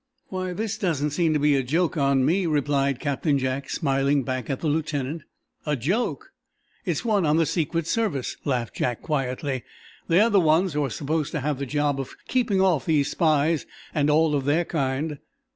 "Why, this doesn't seem to be a joke on me," replied Captain, Jack, smiling back at the lieutenant. "A joke!" "It's one on the Secret Service," laughed Jack, quietly. "They are the ones who are supposed to have the job of keeping off spies and all of their kind."